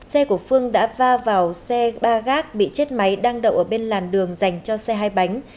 xe của phương đã va vào xe ba gác bị chết máy đang đậu ở bên làn đường dành cho xe hai bánh